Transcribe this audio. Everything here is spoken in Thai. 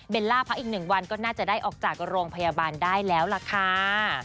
ล่าพักอีก๑วันก็น่าจะได้ออกจากโรงพยาบาลได้แล้วล่ะค่ะ